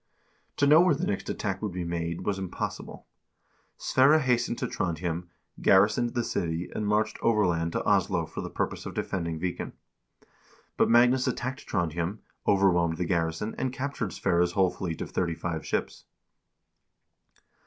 To know where the next attack would be made was impos sible. Sverre hastened to Trondhjem, garrisoned the city and marched overland to Oslo for the purpose of defending Viken ; but Magnus attacked Trondhjem, overwhelmed the garrison, and cap tured Sverre's whole fleet of thirty five ships.